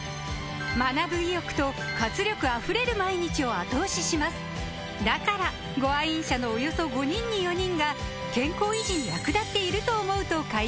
学ぶ意欲と活力あふれる毎日を後押ししますだからご愛飲者のおよそ５人に４人が「健康維持に役立っていると思う」と回答しています